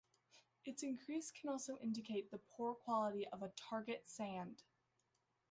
Its increase can also indicate the poor quality of a target sand.